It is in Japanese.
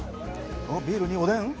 ビールにおでん？